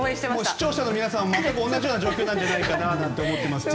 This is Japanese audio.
視聴者の皆さんも全く同じような状況じゃないかと思いますが。